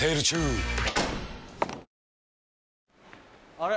あれ？